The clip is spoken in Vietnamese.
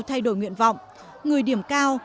thay đổi nguyện vọng người điểm cao